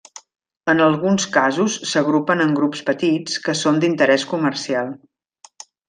En alguns casos s'agrupen en grups petits que són d'interès comercial.